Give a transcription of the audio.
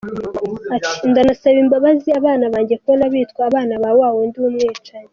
Ati “Ndanasaba imbabazi abana banjye kubona bitwa abana ba wa wundi w’umwicanyi.